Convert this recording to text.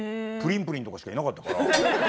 プリンプリンとかしかいなかったから。